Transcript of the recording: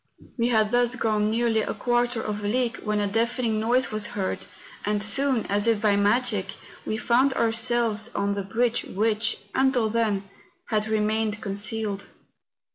We had thus gone nearly a quarter of a league when a deafening noise was heard, and soon, as if by magic, we found ourselves on the bridge which, until then, had remained con¬ cealed.